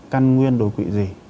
căn nguyên đột quỵ gì